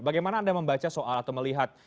bagaimana anda membaca soal atau melihat